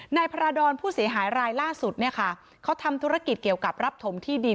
นายพระราดรผู้เสียหายรายล่าสุดเนี่ยค่ะเขาทำธุรกิจเกี่ยวกับรับถมที่ดิน